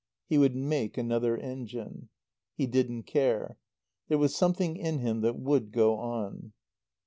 He would make another engine. He didn't care. There was something in him that would go on.